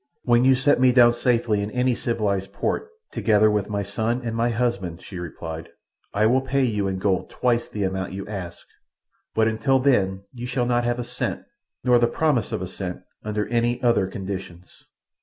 "When you set me down safely in any civilized port, together with my son and my husband," she replied, "I will pay you in gold twice the amount you ask; but until then you shall not have a cent, nor the promise of a cent under any other conditions."